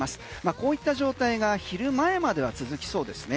こういった状態が昼前までは続きそうですね。